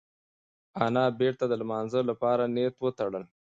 انا بېرته د لمانځه لپاره نیت وتړل.